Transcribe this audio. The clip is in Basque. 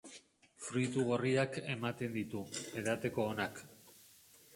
Fruitu gorriak ematen ditu, edateko onak.